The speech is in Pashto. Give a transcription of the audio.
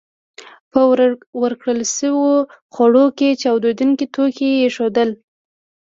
په ورکړل شويو خوړو کې چاودېدونکي توکي ایښودل